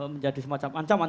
menjadi semacam ancaman